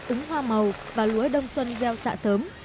ứng hoa màu và lúa đông xuân gieo xạ sớm